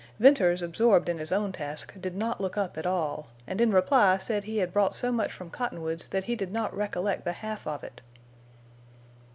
Venters, absorbed in his own task, did not look up at all, and in reply said he had brought so much from Cottonwoods that he did not recollect the half of it.